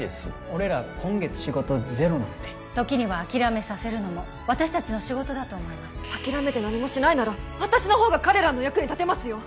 俺ら今月仕事ゼロなんで時には諦めさせるのも私たちの仕事だと思います諦めて何もしないなら私のほうが彼らの役に立てますよ